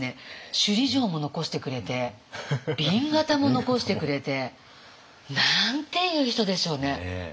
首里城も残してくれて紅型も残してくれて。なんていう人でしょうね。